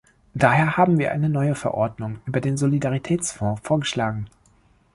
Daher haben wir eine neue Verordnung über den Solidaritätsfonds vorgeschlagen.